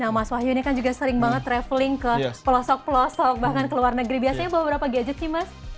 nah mas wahyu ini kan juga sering banget traveling ke pelosok pelosok bahkan ke luar negeri biasanya bawa berapa gadget sih mas